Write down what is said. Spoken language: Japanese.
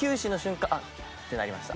「あっ！」ってなりました。